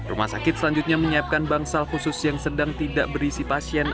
rumah sakit selanjutnya menyiapkan bangsal khusus yang sedang tidak berisi pasien